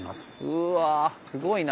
うわすごいな。